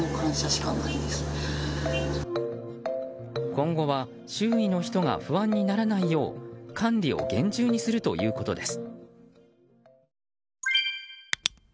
今後は周囲の人が不安にならないよう管理を厳重にするということです。